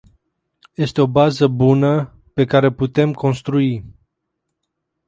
Este o bază bună pe care putem construi.